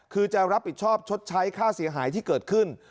คือจะรับผิดชอบชดใช้ค่าเสียหายที่เกิดขึ้น